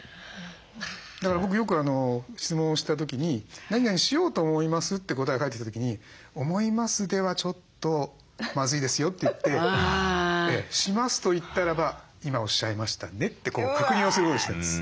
だから僕よく質問をした時に「なになにしようと思います」って答えが返ってきた時に「『思います』ではちょっとまずいですよ」って言って「します」と言ったらば「今おっしゃいましたね」って確認をすることにしてるんです。